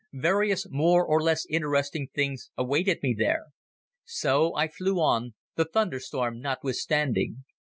Various more or less interesting things awaited me there. So I flew on, the thunderstorm notwithstanding.